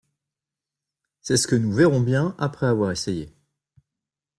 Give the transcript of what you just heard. C’est ce que nous verrons bien après avoir essayé.